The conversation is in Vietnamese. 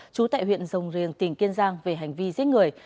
trú tại huyện rồng riềng tỉnh kiên giang về hành vi giết người